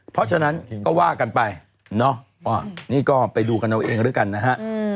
เพราะฉะนั้นก็ว่ากันไปเนาะนี่ก็ไปดูกันเอาเองด้วยกันนะฮะ